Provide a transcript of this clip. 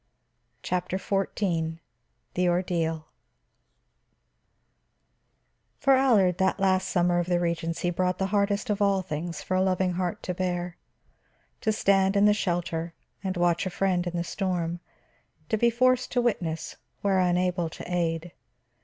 CHAPTER XIV THE ORDEAL For Allard that last summer of the regency brought the hardest of all things for a loving heart to bear: to stand in the shelter and watch a friend in the storm, to be forced to witness where unable to aid.